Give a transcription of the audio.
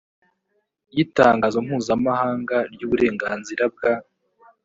yi itangazo mpuzamahanga ry uburenganzira bwa